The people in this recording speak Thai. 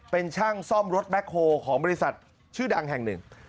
เป็นช่างซ่อมรถแบ็คโฮลของบริษัทชื่อดังแห่งหนึ่ง